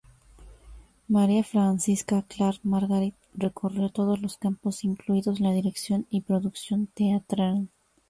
María Francisca Clar Margarit recorrió todos los campos incluidos la dirección y producción teatral.